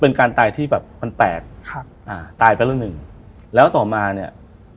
เป็นการตายที่แบบมันแปลกครับอ่าตายไปแล้วหนึ่งแล้วต่อมาเนี้ย